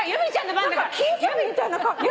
何か欽ちゃんみたいな格好。